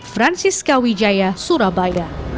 francisca wijaya surabaya